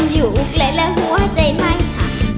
อยู่ใกล้แล้วหัวใจไม่ห่าง